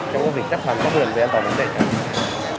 cho việc chấp hành phòng cháy cháy